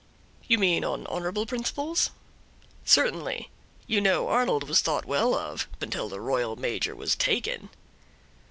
"You mean on honorable principles?" "Certainly; you know Arnold was thought well of until the royal major was taken."